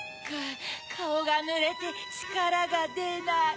カオがぬれてちからがでない。